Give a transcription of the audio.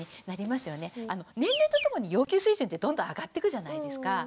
年齢とともに要求水準ってどんどん上がってくじゃないですか。